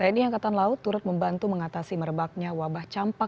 tni angkatan laut turut membantu mengatasi merebaknya wabah campak